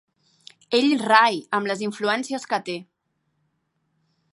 Ell rai, amb les influències que té!